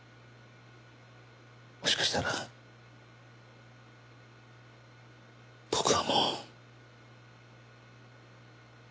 もしかしたら僕はもう。